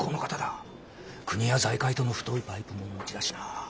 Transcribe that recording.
国や財界との太いパイプもお持ちだしな。